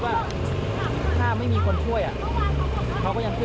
มาถึงผมก็คล่องกระจกดูเก็ดปุ๊บอยู่